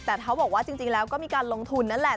แต่เขาบอกว่าจริงแล้วก็มีการลงทุนนั่นแหละ